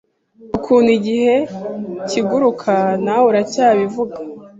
Ukuntu igihe kiguruka ...nawe uracyabivuga